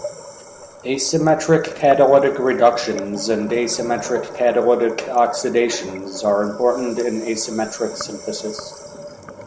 Asymmetric catalytic reductions and asymmetric catalytic oxidations are important in asymmetric synthesis.